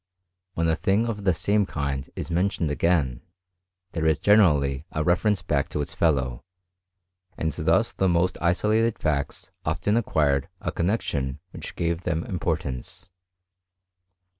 When a thing of the same kind is mentioned again^ there is gene 316 HISTORY OP CHEMISTRY. rally a reference back to its fellow ; and thus the most isolated facts often acquired a connexion which gave them importance.